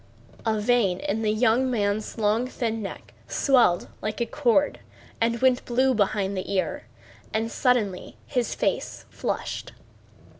A vein in the young man's long thin neck swelled like a cord and went blue behind the ear, and suddenly his face flushed.